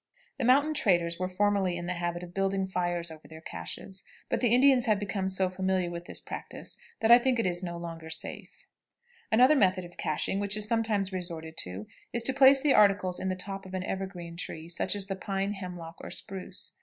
The mountain traders were formerly in the habit of building fires over their cachés, but the Indians have become so familiar with this practice that I should think it no longer safe. Another method of caching which is sometimes resorted to is to place the articles in the top of an evergreen tree, such as the pine, hemlock, or spruce.